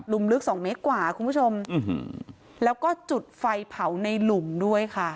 ลึกสองเมตรกว่าคุณผู้ชมแล้วก็จุดไฟเผาในหลุมด้วยค่ะ